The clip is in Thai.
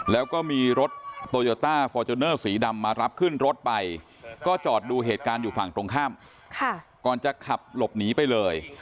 แล้วก็มีรถโตโยต้าฟอร์จูเนอร์สีดำมารับขึ้นรถไปก็จอดดูเหตุการณ์อยู่ฝั่งตรงข้ามก่อนจะขับหลบหนีไปเลย